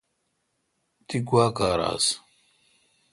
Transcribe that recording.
تی گوا کار آس۔